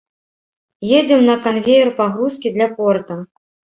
Едзем на канвеер пагрузкі для порта.